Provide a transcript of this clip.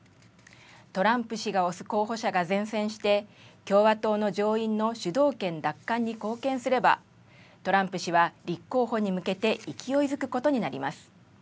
トランプ氏が推す候補者が善戦して、共和党の上院の主導権奪還に貢献すれば、トランプ氏は立候補に向けて勢いづくことになります。